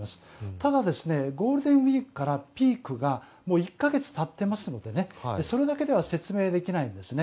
ただ、ゴールデンウィークからピークが１か月経ってますのでそれだけでは説明できないんです。